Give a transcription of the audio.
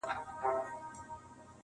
سرې سونډي دي یاره له شرابو زوروري دي-